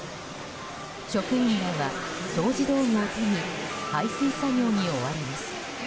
職員らは掃除道具を手に排水作業に追われます。